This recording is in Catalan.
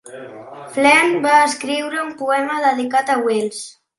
Phelan va escriure un poema dedicat a Wills.